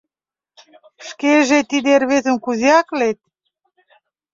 — Шкеже тиде рвезым кузе аклет?